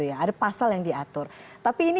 ada pasal yang diatur tapi ini